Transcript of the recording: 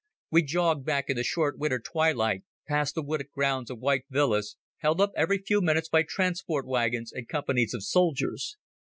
We jogged back in the short winter twilight, past the wooded grounds of white villas, held up every few minutes by transport wagons and companies of soldiers.